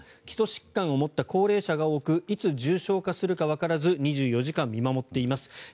基礎疾患を持った高齢者が多くいつ重症化するかわからず２４時間見守っています